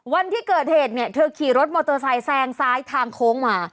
วันที่เกิดเหตุเนี่ยเธอขี่รถมอเตอร์ไซค์แซงซ้ายทางโค้งมา